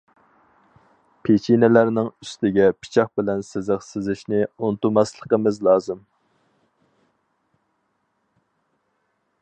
پېچىنىلەرنىڭ ئۈستىگە پىچاق بىلەن سىزىق سىزىشنى ئۇنتۇماسلىقىمىز لازىم.